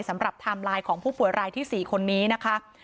ไทม์ไลน์ของผู้ป่วยรายที่๔คนนี้นะคะ